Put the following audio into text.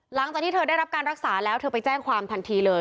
หลังจากที่เธอได้รับการรักษาแล้วเธอไปแจ้งความทันทีเลย